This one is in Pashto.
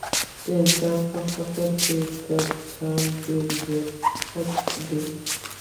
د انسان په فکر کې تر کان ډېر زر پټ دي.